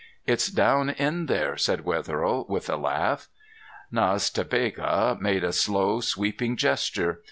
"It's down in there," said Wetherill, with a laugh. Nas ta Bega made a slow sweeping gesture.